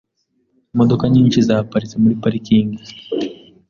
Imodoka nyinshi zaparitse muri parikingi.